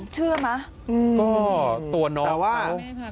เชื่อมั้ยตัวน้องว่า